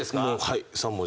はい。